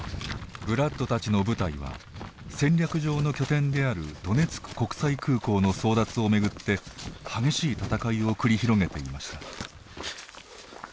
ブラッドたちの部隊は戦略上の拠点であるドネツク国際空港の争奪をめぐって激しい戦いを繰り広げていました。